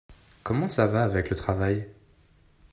Comment ça va avec le travail ?